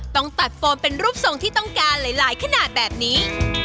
ต้องตัดโฟมเป็นรูปทรงที่ต้องการหลายขนาดแบบนี้